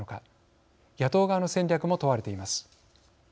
野党側の戦略も問われています。